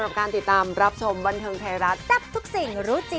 น่ารักมากมันน่ารักนะ